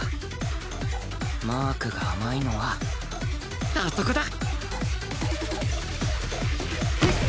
マークが甘いのはあそこだ！